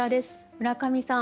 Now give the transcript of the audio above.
村上さん